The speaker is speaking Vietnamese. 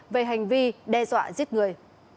về hành vi đe dọa giết người